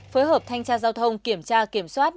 phối hợp thanh tra giao thông kiểm tra kiểm soát